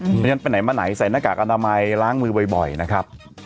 เพราะฉะนั้นไปไหนมาไหนใส่หน้ากากอนามัยล้างมือบ่อยนะครับ